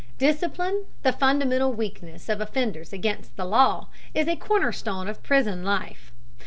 Discipline, the fundamental weakness of offenders against the law, is a cornerstone of prison life.